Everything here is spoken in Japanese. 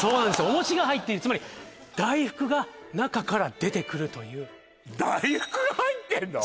おもちが入っているつまり大福が中から出てくるという大福が入ってるの？